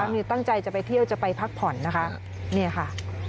มีตั้งใจจะไปเที่ยวจะไปพักผ่อนนะคะนี่ค่ะ